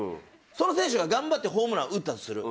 その選手が頑張ってホームランを打ったとする。